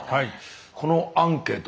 このアンケート